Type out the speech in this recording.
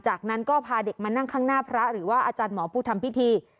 จากนั้นก็พาเด็กมานั่งข้างหน้าพระหรือว่าอาจารย์หมอผู้ทำพิธี